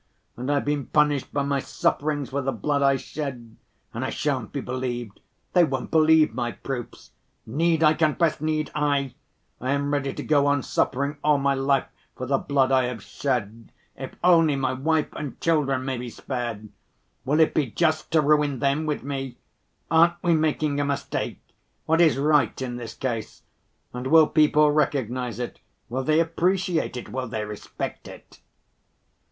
And I've been punished by my sufferings for the blood I shed. And I shan't be believed, they won't believe my proofs. Need I confess, need I? I am ready to go on suffering all my life for the blood I have shed, if only my wife and children may be spared. Will it be just to ruin them with me? Aren't we making a mistake? What is right in this case? And will people recognize it, will they appreciate it, will they respect it?"